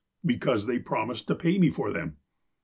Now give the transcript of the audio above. " ''Because they promised to pay me for them."